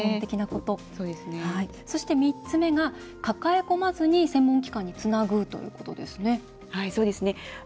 そして、３つ目が「抱え込まず専門機関につなぐ」ということですね。